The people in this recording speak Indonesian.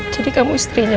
jadi kamu istrinya al